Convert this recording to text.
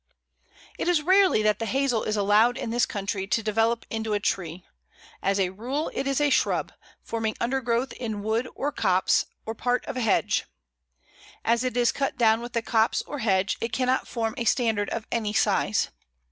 It is rarely that the Hazel is allowed in this country to develop into a tree; as a rule it is a shrub, forming undergrowth in wood or copse, or part of a hedge. As it is cut down with the copse or hedge, it cannot form a standard of any size.